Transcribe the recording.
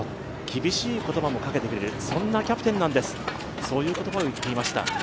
厳しい言葉もかけてくれる、そんなキャプテンなんです、そういうことを言っていました。